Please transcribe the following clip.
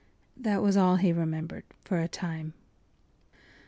That was all he remembered for a time.